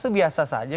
itu biasa saja